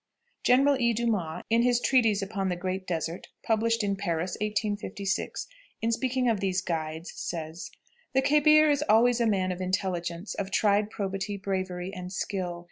General E. Dumas, in his treatise upon the "Great Desert," published in Paris, 1856, in speaking of these guides, says: "The khebir is always a man of intelligence, of tried probity, bravery, and skill.